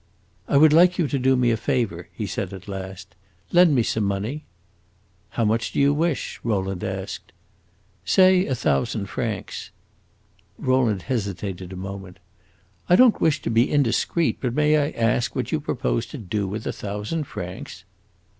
"I would like you to do me a favor," he said at last. "Lend me some money." "How much do you wish?" Rowland asked. "Say a thousand francs." Rowland hesitated a moment. "I don't wish to be indiscreet, but may I ask what you propose to do with a thousand francs?"